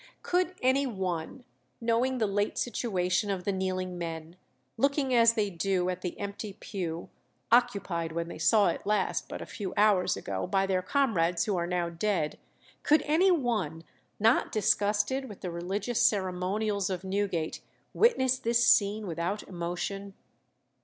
_' Could any one, knowing the late situation of the kneeling men, looking as they do at the empty pew, occupied when they saw it last, but a few hours ago, by their comrades who are now dead; could any one, not disgusted with the religious ceremonials of Newgate, witness this scene without emotion?